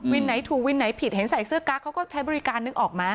ไหนถูกวินไหนผิดเห็นใส่เสื้อกั๊กเขาก็ใช้บริการนึกออกไหม